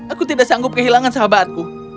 aku tidak sanggup kehilangan sahabatku